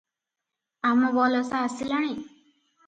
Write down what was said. ଆମବଲସା ଆସିଲାଣି?